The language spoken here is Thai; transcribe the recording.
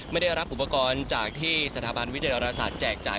ไม่ได้รับอุปกรณ์จากที่สถาบันวิจราศาสตร์แจกจ่าย